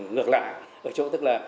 ngược lại ở chỗ tức là